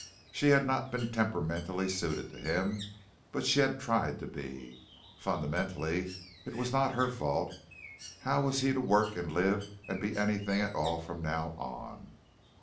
She had not been temperamentally suited to him, but she had tried to be. Fundamentally it was not her fault. How was he to work and live and be anything at all from now on?